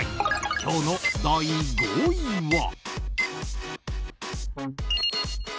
今日の第５位は。